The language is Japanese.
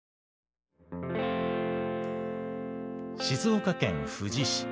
静岡県富士市。